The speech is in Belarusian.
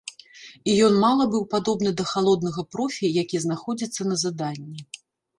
І ён мала быў падобны да халоднага профі, які знаходзіцца на заданні.